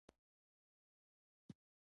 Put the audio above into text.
ډيموکراټ نظام د اسلامي دعوت سره سر و کار نه لري.